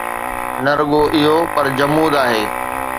نه رڳو اهو پر جمود آهي.